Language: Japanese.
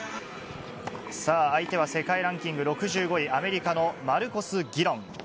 さあ、相手は世界ランキング６５位、アメリカのマルコス・ギロン。